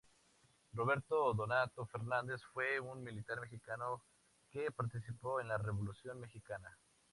Roberto Donato Fernández fue un militar mexicano que participó en la Revolución mexicana.